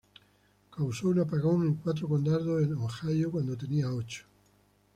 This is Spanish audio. Causó un apagón en cuatro condados en Ohio cuando tenía ocho.